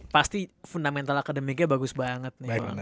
pasti fundamental academicnya bagus banget